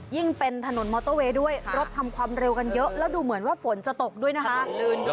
เป็นถนนมอเตอร์เวย์ด้วยรถทำความเร็วกันเยอะแล้วดูเหมือนว่าฝนจะตกด้วยนะคะ